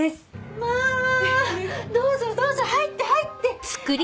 まぁどうぞどうぞ入って入って！